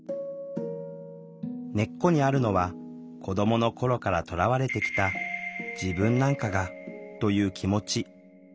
根っこにあるのは子どもの頃からとらわれてきた「自分なんかが」という気持ち。